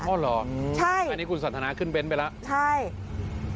อ๋อเหรออันนี้คุณสันทนาขึ้นเว้นไปแล้วใช่ใช่